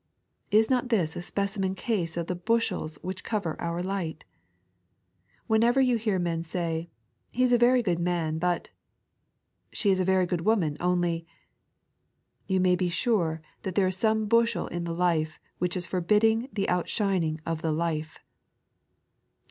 Is not this a specimen case of the bushels which cover our light 1 Whenever you hear men say, " He is a very good man, but ;"" She is a very good woman, only ," you may be sure that there is some bushel in the life which is forbidding the outshining of the Life.